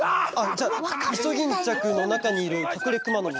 じゃあイソギンチャクのなかにいるカクレクマノミ。